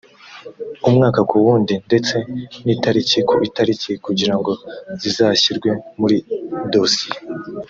umwaka ku wundi ndetse n itariki ku itariki kugira ngo zizashyirwe muri dosiye